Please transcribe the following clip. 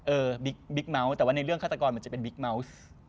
บิ๊กเมาส์แต่ว่าในเรื่องฆาตกรมันจะเป็นบิ๊กเมาส์